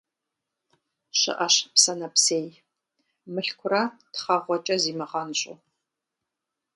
Щыӏэщ псэ нэпсей, мылъкурэ тхъэгъуэкӏэ зимыгъэнщӏу.